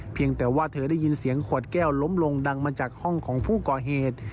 แต่ว่าเธอได้ยินเสียงขวดแก้วล้มลงดังมาจากห้องของผู้ก่อเหตุ